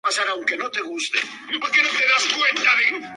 En el segundo cuarto del siglo se edificó el Palacio Episcopal de Albacete.